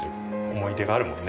思い出があるもんね。